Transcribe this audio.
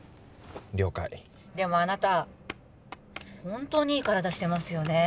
了解でもあなた本当にいい体してますよね